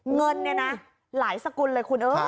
เงินเนี่ยนะหลายสกุลเลยคุณ